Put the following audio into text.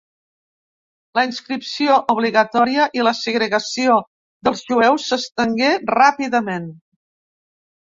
La inscripció obligatòria i la segregació dels jueus s'estengué ràpidament.